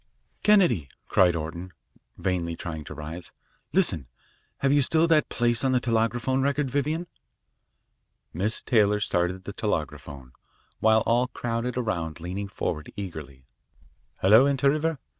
"Kennedy," cried Orton, vainly trying to rise, "listen. Have you still that place on the telegraphone record, Vivian?" Miss Taylor started the telegraphone, while we all crowded around leaning forward eagerly. "Hello. Inter River?